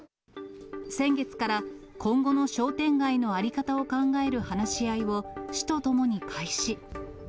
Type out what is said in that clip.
先月から、今後の商店街の在り方を考える話し合いを市と共に開始。